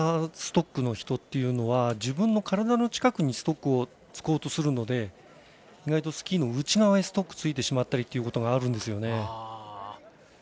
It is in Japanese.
結構、片ストックの人というのは自分の体の近くにストックをつこうとするので意外とスキーの内側にストックついてしまったりということがあるんですね。